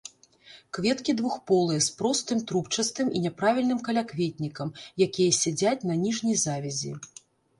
Кветкі двухполыя з простым трубчастым і няправільным калякветнікам, якія сядзяць на ніжняй завязі.